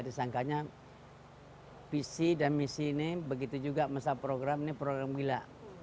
disangkanya visi dan misi ini begitu juga masa program ini program gila